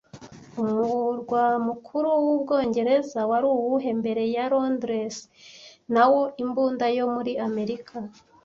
Umurwa mukuru w'Ubwongereza wari uwuhe mbere ya Londres nawo imbunda yo muri Amerika